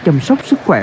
chăm sóc sức khỏe